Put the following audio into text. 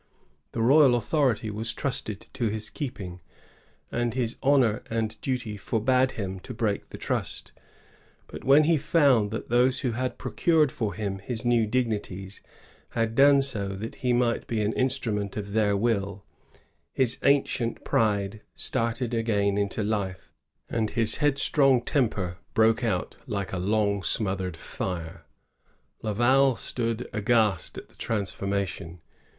The royal authority was trusted to his keeping, and his honor and duty forbade him to break the trust. But when he found that those who had procured for him his new dignities had done so that he might be an instru ment of their will, his ancient pride started again into life, and his headstrong temper broke out like a 208 LAVAL AKD UAzt. [I(t64. longHsmothered fire. Laval stood aghast at the transformation.